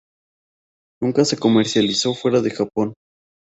Nunca se comercializó fuera de Japón.